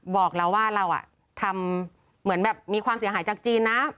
บอกเราว่าเราทำเหมือนแบบมีความเสียหายจากจีนนะ